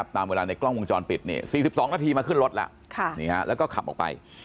ตามเวลาในกล้องวงจรปิด๔๒นาทีมาขึ้นรถแล้วแล้วก็ขับออกไป